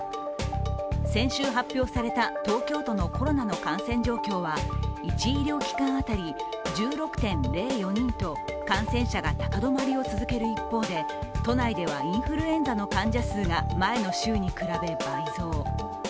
先週発表された、東京都のコロナの感染状況は１医療機関当たり１６．０４人と感染者が高止まりを続ける一方で都内ではインフルエンザの患者数が前の週に比べ倍増。